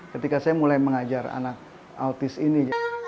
ketika saya mulai mengajar anak autis ini